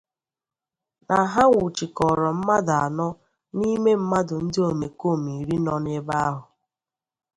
na ha nwụchikọrọ mmadụ anọ n'ime mmadụ ndị omekoome iri nọ n'ebe ahụ